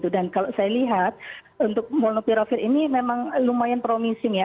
dan kalau saya lihat untuk molnupiravir ini memang lumayan promising ya